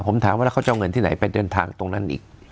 ผมถามว่าแล้วเขาจะเอาเงินที่ไหนไปเดินทางตรงนั้นอีก